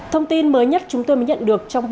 thông tin mới nhất chúng tôi mới nhận được